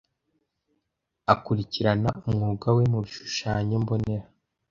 Akurikirana umwuga we mubishushanyo mbonera.